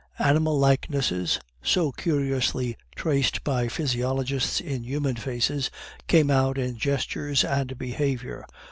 Animal likenesses, so curiously traced by physiologists in human faces, came out in gestures and behavior.